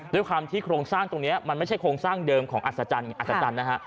ด้วยความที่โครงสร้างตรงนี้มันไม่ใช่โครงสร้างเดิมของอัศจรรย์อัศจรรย์นะฮะ